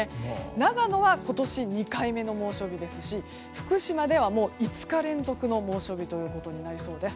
長野は今年２回目の猛暑日ですし福島では５日連続の猛暑日となることになりそうです。